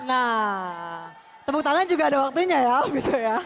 nah tepuk tangan juga ada waktunya ya begitu ya